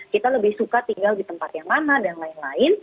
kita lebih suka tinggal di tempat yang mana dan lain lain